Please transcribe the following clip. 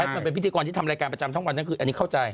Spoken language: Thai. มันเป็นพิธีกรที่ทำรายการประจำทั้งวันทั้งคืนอันนี้เข้าใจ